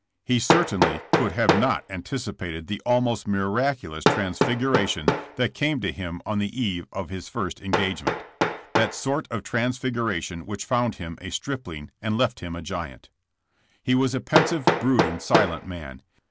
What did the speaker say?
He certainly could have not anticipated the almost miraculous transfiguration that came to him on the eve of his first engagement— that sort of transfig uration which found him a stripling and left him a giant. *'He was a pensive, brooding, silent man.